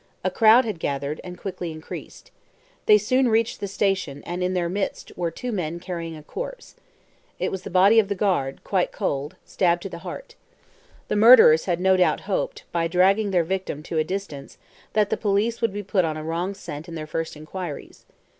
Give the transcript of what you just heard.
A crowd had gathered, and quickly increased. They soon reached the station, and in their midst were two men carrying a corpse. It was the body of the guard, quite cold, stabbed to the heart. The murderers had no doubt hoped, by dragging their victim to a distance, that the police would be put on a wrong scent in their first inquiries.